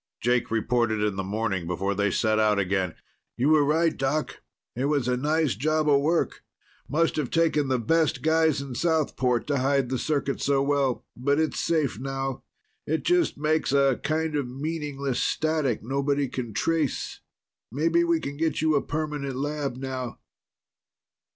Jake reported in the morning before they set out again. "You were right, Doc. It was a nice job of work. Must have taken the best guys in Southport to hide the circuit so well. But it's safe now. It just makes a kind of meaningless static nobody can trace. Maybe we can get you a permanent lab now."